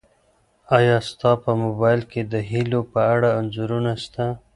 ایا ستا په موبایل کي د هیلو په اړه انځورونه سته؟